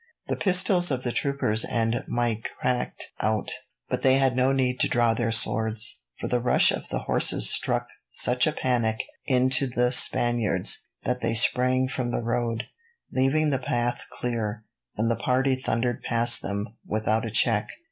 The pistols of the troopers and Mike cracked out, but they had no need to draw their swords, for the rush of the horses struck such a panic into the Spaniards that they sprang from the road, leaving the path clear, and the party thundered past them without a check.